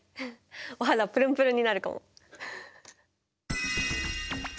お肌プルンプルンになるかも！